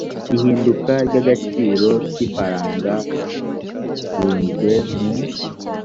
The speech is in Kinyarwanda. ihinduka ry agaciro k ifaranga r unjwe mu